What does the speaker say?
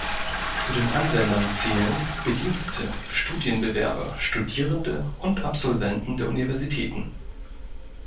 Zu den Anwendern zählen Bedienstete, Studienbewerber, Studierende und Absolventen der Universitäten.